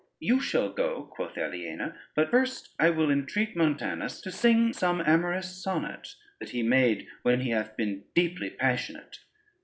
"You shall go," quoth Aliena, "but first I will entreat Montanus to sing some amorous sonnet, that he made when he hath been deeply passionate."